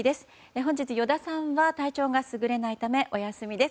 本日、依田さんは体調が優れないためお休みです。